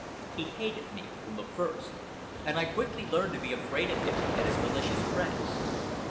He hated me from the first. And I quickly learned to be afraid of him and his malicious pranks.